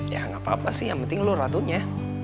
ya gapapa sih yang penting lo ratunya